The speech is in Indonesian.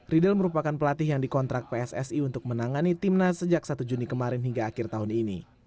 riedel merupakan pelatih yang dikontrak pssi untuk menangani timnas sejak satu juni kemarin hingga akhir tahun ini